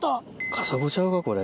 カサゴちゃうかこれ。